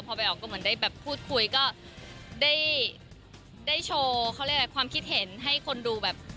พอไปออกก็เหมือนได้แบบพูดคุยก็ได้ได้โชว์เขาเรียกอะไรความคิดเห็นให้คนดูแบบ